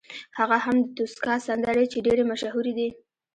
هغه هم د توسکا سندرې چې ډېرې مشهورې دي.